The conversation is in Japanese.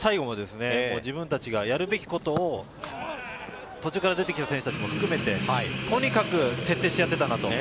おっしゃる通り最初から最後まで自分たちがやるべきことを途中から出てきた選手たちも含めて、とにかく徹底してやっていたなと。